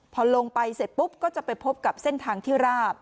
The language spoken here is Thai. พอลงไปเสร็จปุ๊บก็จะไปพบกับเส้นทางที่ราบ